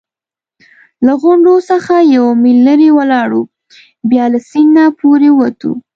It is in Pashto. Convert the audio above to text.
له غونډ څخه یو میل لرې ولاړو، بیا له سیند نه پورې ووتو.